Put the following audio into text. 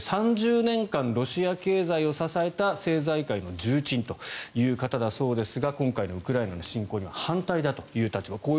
３０年間、ロシア経済を支えた政財界の重鎮という方だそうですが今回のウクライナの侵攻には反対だという立場。